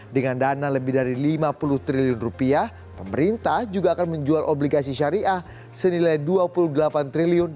dengan dana lebih dari lima puluh triliun rupiah pemerintah juga akan menjual obligasi syariah senilai rp dua puluh delapan triliun